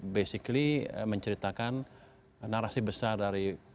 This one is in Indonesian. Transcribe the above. basically menceritakan narasi besar dari